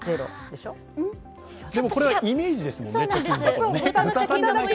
でも、これはイメージですもんね貯金箱のね。